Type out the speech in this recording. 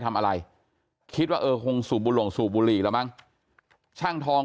ทำอะไรคิดว่าเออคงสูบบุหลงสูบบุหรี่แล้วมั้งช่างทอง